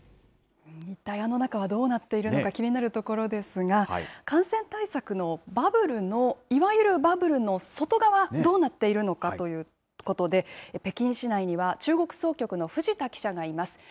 一体あの中はどうなっているのか気になるところですが、感染対策のバブルの、いわゆるバブルの外側、どうなっているのかということで、北京市内には中国総局の藤田記者がいます。